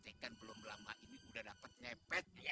kita kan belum lama ini udah dapat nyepet